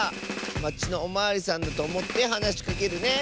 まちのおまわりさんだとおもってはなしかけるね！